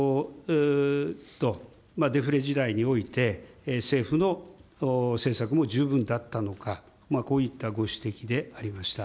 デフレ時代において、政府の政策も十分だったのか、こういったご指摘でありました。